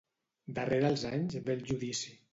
Darrere els anys ve el judici.